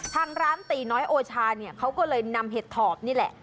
ทางร้านตีน้อยโอชาเนี่ยเขาก็เลยนำเห็ดถอบนี่แหละ